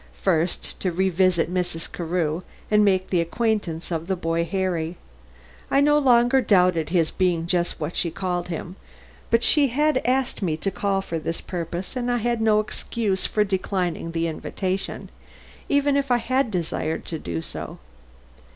First, to revisit Mrs. Carew and make the acquaintance of the boy Harry. I no longer doubted his being just what she called him, but she had asked me to call for this purpose and I had no excuse for declining the invitation, even if I had desired to do so.